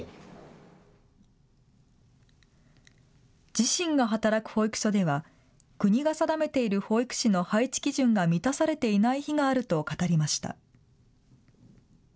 自身が働く保育所では国が定めている保育士の配置基準が満たされていない日があると語りました。